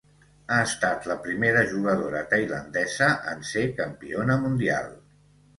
Ha estat la primera jugadora tailandesa en ser campiona mundial.